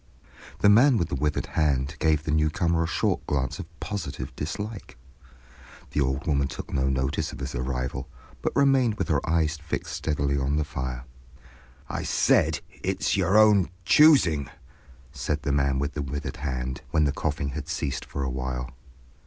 The man with the withered hand gave the newcomer a short glance of positive dislike; the old woman took no notice of his arrival, but remained with her eyes fixed steadily on the fire. "I said—it's your own choosing," said the man with the withered hand, when the coughing had ceased for a while.